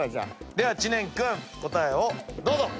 では知念君答えをどうぞ。